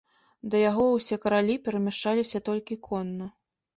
Да яго ўсе каралі перамяшчаліся толькі конна.